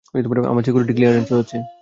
আমার সিকিউরিটি ক্লিয়ারেন্সও আছে?